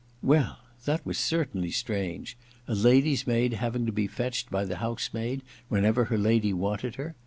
Well — ^that was certainly strange : a lady V maid having to be fetched by the house maid whenever her lady wanted her